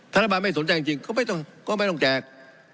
ธนบันไม่สนใจจริงจริงเขาไม่ต้องก็ไม่ต้องแจก